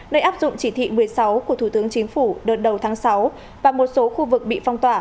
nơi áp dụng chỉ thị một mươi sáu của thủ tướng chính phủ đợt đầu tháng sáu và một số khu vực bị phong tỏa